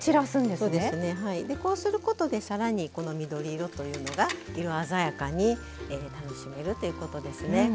でこうすることで更にこの緑色というのが色鮮やかに楽しめるということですね。